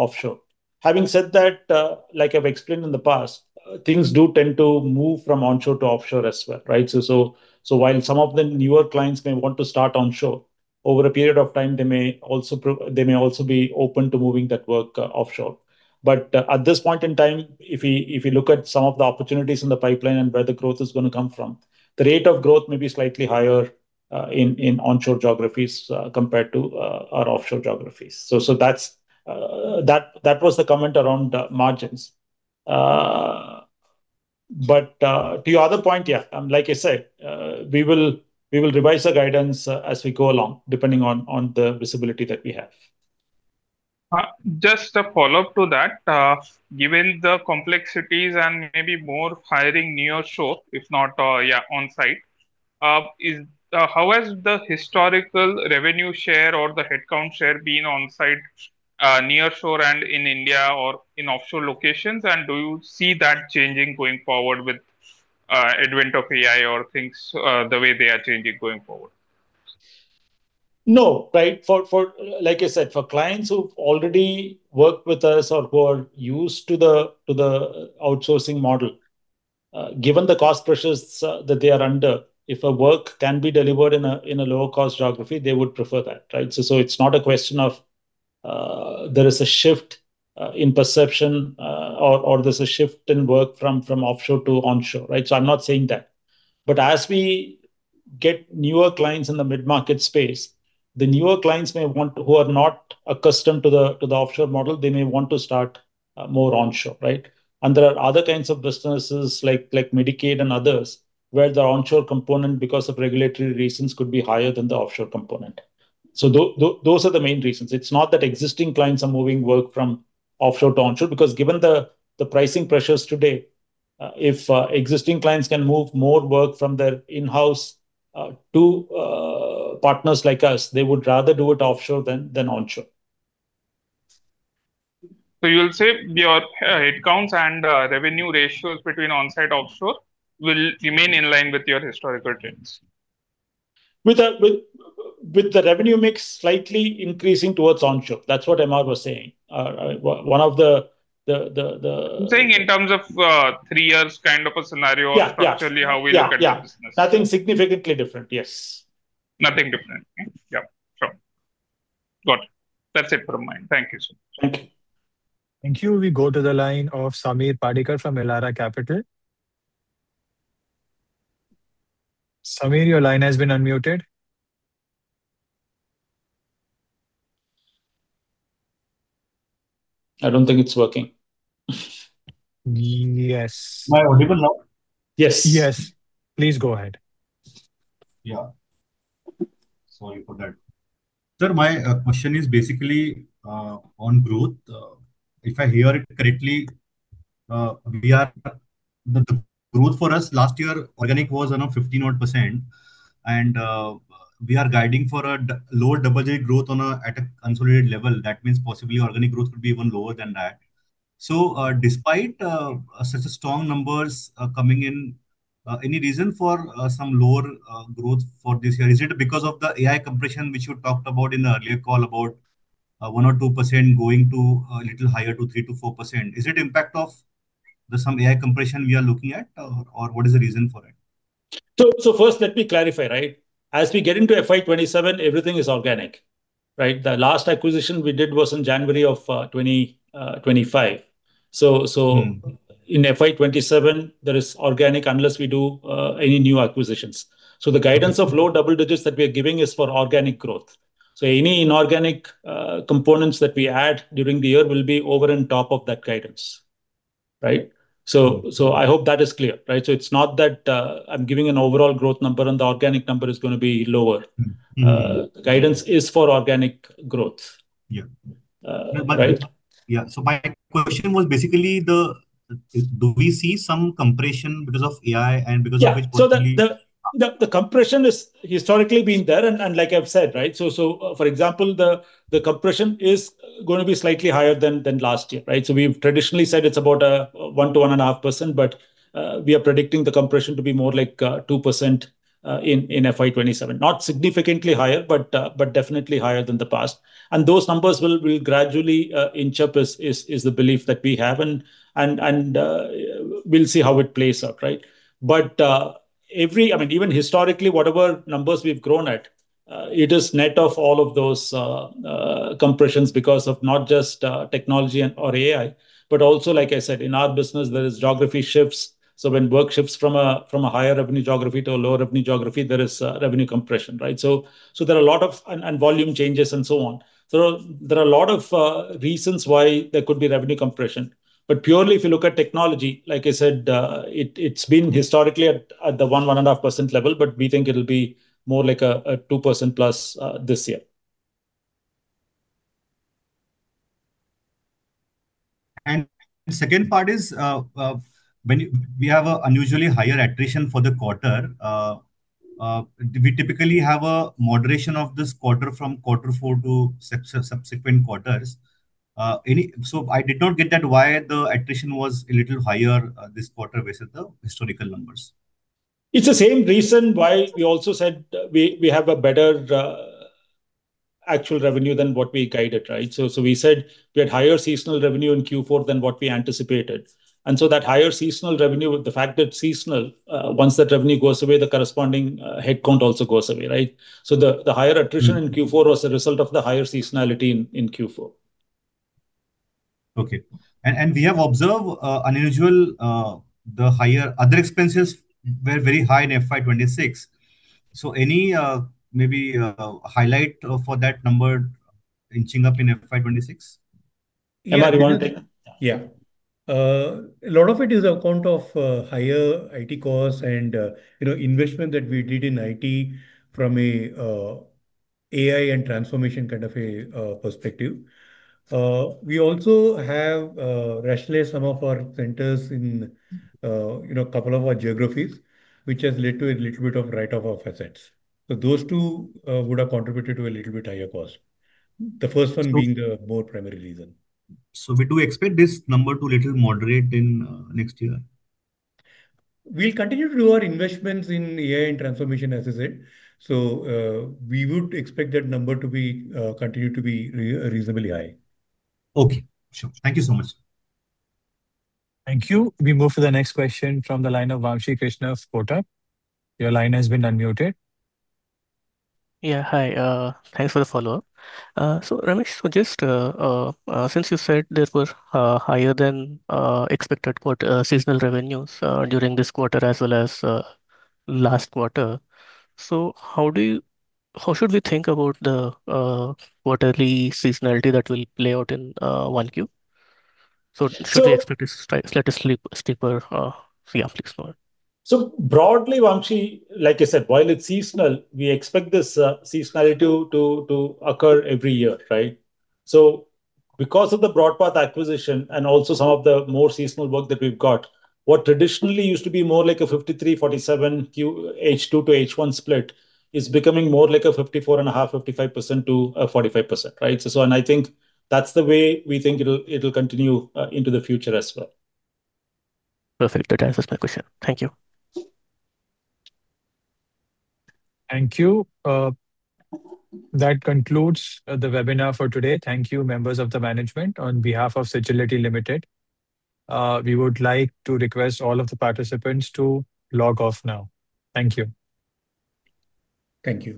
offshore. Having said that, like I've explained in the past, things do tend to move from onshore to offshore as well, right? While some of the newer clients may want to start onshore. Over a period of time, they may also be open to moving that work offshore. At this point in time, if we look at some of the opportunities in the pipeline and where the growth is gonna come from, the rate of growth may be slightly higher in onshore geographies compared to our offshore geographies. That's that was the comment around margins. To your other point, like I said, we will revise the guidance, as we go along, depending on the visibility that we have. Just a follow-up to that. Given the complexities and maybe more hiring nearshore, if not, yeah, onsite, is how has the historical revenue share or the headcount share been onsite, nearshore and in India or in offshore locations? Do you see that changing going forward with advent of AI or things the way they are changing going forward? No. Right. For like I said, for clients who've already worked with us or who are used to the, to the outsourcing model, given the cost pressures that they are under, if a work can be delivered in a lower cost geography, they would prefer that, right. It's not a question of, there is a shift in perception, or there's a shift in work from offshore to onshore, right. I'm not saying that. As we get newer clients in the mid-market space, the newer clients may want who are not accustomed to the, to the offshore model, they may want to start more onshore, right. There are other kinds of businesses like Medicaid and others, where the onshore component, because of regulatory reasons, could be higher than the offshore component. Those are the main reasons. It's not that existing clients are moving work from offshore to onshore. Given the pricing pressures today, if existing clients can move more work from their in-house to partners like us, they would rather do it offshore than onshore. You'll say your headcounts and revenue ratios between onsite, offshore will remain in line with your historical trends? With the revenue mix slightly increasing towards onshore. That's what Amar was saying. I'm saying in terms of, three years kind of a scenario. Yeah. Yeah Structurally, how we look at the business. Yeah. Nothing significantly different. Yes. Nothing different. Yeah. Sure. Got it. That's it from mine. Thank you so much. Thank you. Thank you. We go to the line of Sameer Pardikar from Elara Capital. Sameer, your line has been unmuted. I don't think it's working. Yes. Am I audible now? Yes. Yes. Please go ahead. Sorry for that. Sir, my question is basically on growth. If I hear it correctly, we are the growth for us last year, organic was around 15%. We are guiding for a lower double digit growth at a consolidated level. That means possibly organic growth could be even lower than that. Despite such strong numbers coming in, any reason for some lower growth for this year? Is it because of the AI compression which you talked about in the earlier call about 1% or 2% going to a little higher to 3%-4%? Is it impact of the some AI compression we are looking at, or what is the reason for it? First let me clarify, right? As we get into FY 2027, everything is organic, right? The last acquisition we did was in January of 2025. in FY 2027, there is organic unless we do any new acquisitions. The guidance of low double digits that we are giving is for organic growth. Any inorganic components that we add during the year will be over and top of that guidance, right? I hope that is clear, right? It's not that I'm giving an overall growth number and the organic number is gonna be lower. Mm-hmm. Mm-hmm. Guidance is for organic growth. Yeah. Right? Yeah. My question was basically do we see some compression because of AI and because of which potentially. The compression is historically been there and like I've said. For example, the compression is gonna be slightly higher than last year. We've traditionally said it's about 1% to 1.5%, we are predicting the compression to be more like 2% in FY 2027. Not significantly higher, definitely higher than the past. Those numbers will gradually inch up is the belief that we have. We'll see how it plays out. Every I mean, even historically, whatever numbers we've grown at, it is net of all of those compressions because of not just technology and, or AI, but also, like I said, in our business there is geography shifts. When work shifts from a higher revenue geography to a lower revenue geography, there is revenue compression, right. There are a lot of and volume changes and so on. There are a lot of reasons why there could be revenue compression. Purely if you look at technology, like I said, it's been historically at the 1%, 1.5% level, but we think it'll be more like a 2% plus this year. The second part is, when we have an unusually higher attrition for the quarter, do we typically have a moderation of this quarter from Q4 to subsequent quarters? I did not get that why the attrition was a little higher this quarter versus the historical numbers. It's the same reason why we also said we have a better actual revenue than what we guided, right? We said we had higher seasonal revenue in Q4 than what we anticipated. That higher seasonal revenue, with the fact that seasonal, once that revenue goes away, the corresponding head count also goes away, right? In Q4 was a result of the higher seasonality in Q4. Okay. We have observed unusual, the higher Other Expenses were very high in FY 2026. Any maybe highlight for that number inching up in FY 2026? Am I the one to. Yeah. A lot of it is account of higher IT costs and, you know, investment that we did in IT from an AI and transformation kind of a perspective. We also have rationalized some of our centers in, you know, couple of our geographies, which has led to a little bit of write-off of assets. Those two would have contributed to a little bit higher cost. The more primary reason. We do expect this number to little moderate in next year? We'll continue to do our investments in AI and transformation, as I said. We would expect that number to be, continue to be reasonably high. Okay. Sure. Thank you so much. Thank you. We move to the next question from the line of Vamshi Krishna Kotak. Your line has been unmuted. Yeah. Hi. Thanks for the follow-up. Ramesh, just since you said there were higher than expected seasonal revenues during this quarter as well as last quarter. How should we think about the quarterly seasonality that will play out in 1Q? Should we expect a slight steeper free up this quarter? Broadly, Vamshi, like I said, while it's seasonal, we expect this seasonality to occur every year, right? Because of the BroadPath acquisition and also some of the more seasonal work that we've got, what traditionally used to be more like a 53-47 Q, H2 to H1 split, is becoming more like a 54.5%-55% to 45%, right? I think that's the way we think it'll continue into the future as well. Perfect. That answers my question. Thank you. Thank you. That concludes the webinar for today. Thank you, members of the management. On behalf of Sagility Limited, we would like to request all of the participants to log off now. Thank you. Thank you.